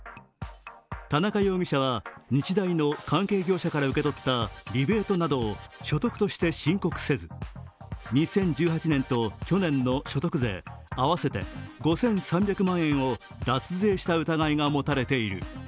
田中容疑者は日大の関係業者から受け取ったリベートなどを所得として申告せず２０１８年と去年の所得税、合わせて５３００万円を脱税した疑いが持たれている。